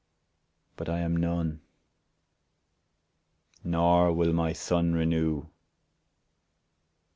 But I am none ; nor will my sun renew.